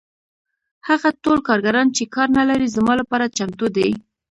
هغه ټول کارګران چې کار نلري زما لپاره چمتو دي